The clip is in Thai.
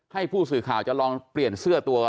ให้ผู้สื่อข่าวจะลองเปลี่ยนเสื้อตัว